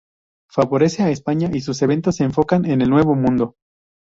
Favorece a España y sus eventos se enfocan en el Nuevo Mundo.